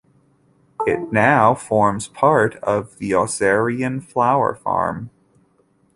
It now forms part of the Oserian flower farm.